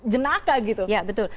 jenaka gitu ya betul